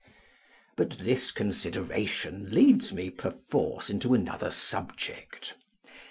But this consideration leads me, perforce, into another subject.